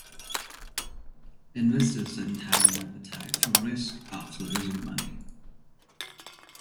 Investors didn't have an appetite for risk after losing money.